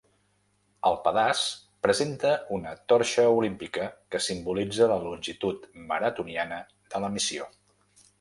El pedaç presenta una torxa olímpica, que simbolitza la longitud maratoniana de la missió.